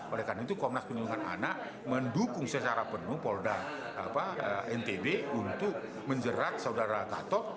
oleh karena itu komnas perlindungan anak mendukung secara penuh polda ntb untuk menjerat saudara gatot